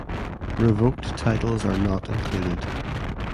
Revoked titles are not included.